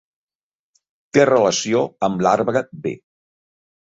Té relació amb l'arbre-B.